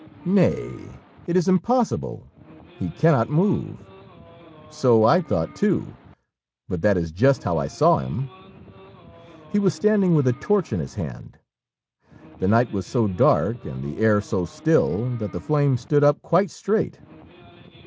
"Nay, it is impossible; he cannot move!" "So I thought too; but that is just how I saw him. He was standing with a torch in his hand; the night was so dark and the air so still that the flame stood up quite straight."